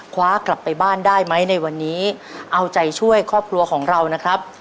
คว้ากลับไปบ้านได้ไหมในวันนี้เอาใจช่วยครอบครัวของเรานะครับ